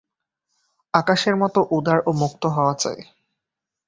আকাশের মত উদার ও মুক্ত হওয়া চাই।